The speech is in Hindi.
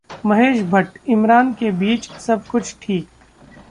महेश भट्ट, इमरान के बीच सब कुछ ठीक